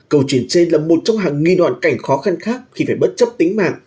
câu chuyện trên là một trong hàng nghìn hoàn cảnh khó khăn khác khi phải bất chấp tính mạng